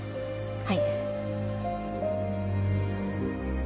はい。